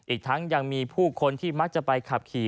อีกทั้งยังมีผู้คนที่มักจะไปขับขี่